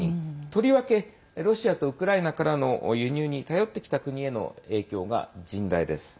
とりわけロシアとウクライナからの輸入に頼ってきた国への影響が甚大です。